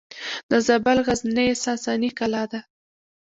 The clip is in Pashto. د زابل غزنیې ساساني کلا ده